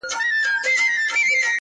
دغه ساغر هغه ساغر هره ورځ نارې وهي.